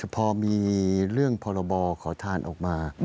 พอมีเรื่องพรบขอทานออกมา